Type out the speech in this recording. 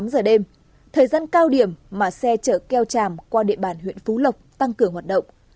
tám giờ đêm thời gian cao điểm mà xe chở keo tràm qua địa bàn huyện phú lộc tăng cường hoạt động